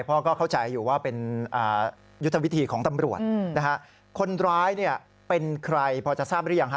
เพราะก็เข้าใจอยู่ว่าเป็นยุทธวิธีของตำรวจนะฮะคนร้ายเนี่ยเป็นใครพอจะทราบหรือยังฮะ